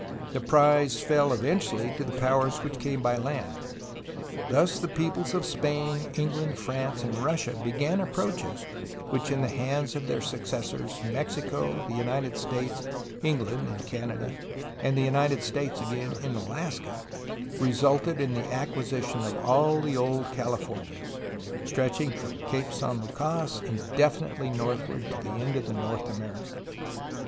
The prize fell eventually to the powers which came by land. Thus the peoples of Spain, England, France, and Russia began approaches which in the hands of their suc cessors Mexico, the United States, England (in Canada), and the United States again (in Alaska) resulted in the acquisition of all of the old "Calif ornias," stretching from Cape San Lucas indefinitely northward to the end of North America.